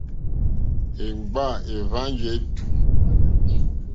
Èmgbâ èhwánjì ètùú.